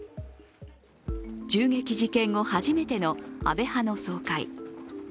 銃撃事件後初めての安倍派の総会。